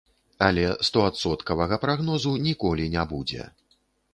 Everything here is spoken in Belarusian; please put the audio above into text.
Але стоадсоткавага прагнозу ніколі не будзе.